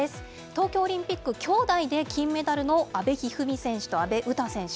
東京オリンピック、きょうだいで金メダルの阿部一二三選手と阿部詩選手。